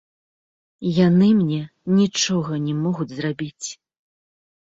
Яны мне нічога не могуць зрабіць.